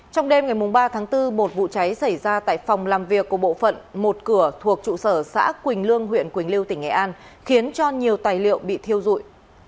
trong đêm ngày ba tháng bốn một vụ cháy xảy ra tại phòng làm việc của bộ phận một cửa thuộc trụ sở xã quỳnh lương huyện quỳnh lưu tỉnh nghệ an khiến cho nhiều tài liệu bị thiêu dụi